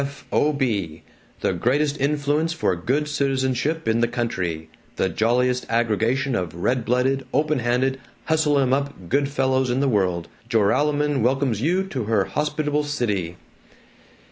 F. O. B. The greatest influence for good citizenship in the country. The jolliest aggregation of red blooded, open handed, hustle em up good fellows in the world. Joralemon welcomes you to her hospitable city.